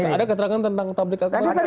ada keterangan tentang takbik akbar